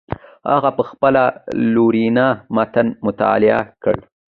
هغه په خپله لورینه متن مطالعه کړ.